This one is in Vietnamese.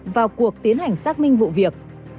vào cuộc tiến hành xác minh vụ việc